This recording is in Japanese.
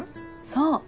そう。